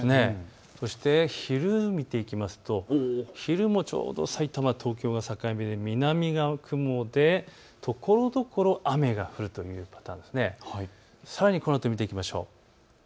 そして昼を見ていくと昼もちょうどさいたま、東京が境目で南側が雲でところどころ雨が降るといった、さらにこのあと見ていきましょう。